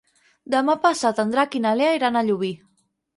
Demà passat en Drac i na Lea iran a Llubí.